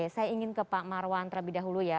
saya ingin ke pak marwan terlebih dahulu ya